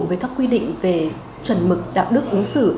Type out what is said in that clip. với các quy định về chuẩn mực đạo đức ứng xử